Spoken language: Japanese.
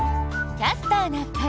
「キャスターな会」。